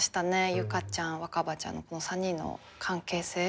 結佳ちゃん若葉ちゃんのこの３人の関係性。